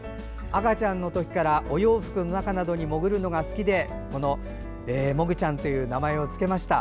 赤ちゃんの時からお洋服の中などに潜るのが好きでもぐちゃんという名前を付けました。